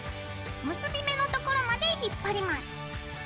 結び目のところまで引っ張ります。